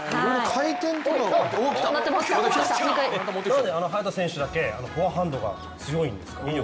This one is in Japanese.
何で早田選手だけフォアハンドの威力が強いんですか？